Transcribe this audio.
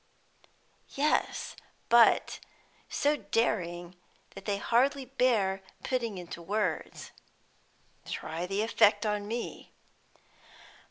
"Yes; but so daring that they hardly bear putting into words." "Try the effect on me."